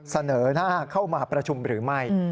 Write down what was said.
เสนอหน้าเข้ามาประชุมหรือไม่